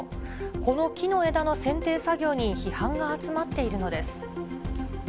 この木の枝のせんてい作業に批判が集まっているのです。